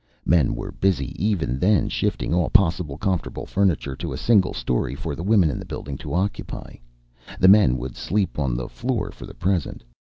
Men were busy even then shifting all possible comfortable furniture to a single story for the women in the building to occupy. The men would sleep on the floor for the present.